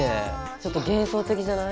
ちょっと幻想的じゃない？